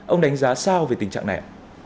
ông đánh giá sao về tình trạng này